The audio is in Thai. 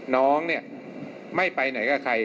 น้องเนี่ยไม่ไปไหนก็ไข้